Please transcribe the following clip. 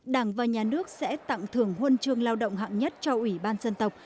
đảng và nhà nước sẽ tặng thưởng huân chương lao động hạng nhất cho ủy ban dân tộc